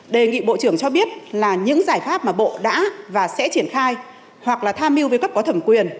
đề nghị bộ trưởng cho biết là những giải pháp mà bộ đã và sẽ triển khai hoặc là tham mưu với cấp có thẩm quyền